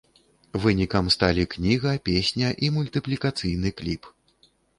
Вынікам сталі кніга, песня і мультыплікацыйны кліп.